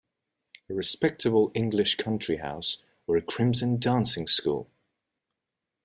A respectable English country house or a crimson dancing school?